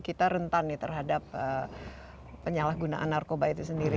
kita rentan ya terhadap penyalahgunaan narkoba itu sendiri